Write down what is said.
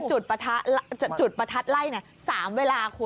จะจุดประทัดไล่เนี่ย๓เวลาคุณ